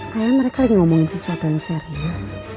kayaknya mereka lagi ngomongin sesuatu yang serius